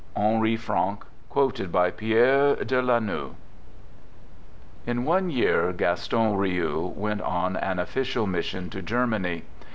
— Henri Franck, quoted by Pierre de Lanux. In one year, Gaston Riou went on an official mis sion to Germany.